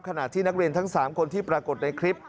ขณะที่นักเรียนทั้ง๓คนที่ปรากฏในคลิป